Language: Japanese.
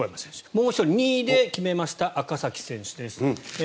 もう１人２位で決めました赤崎選手です。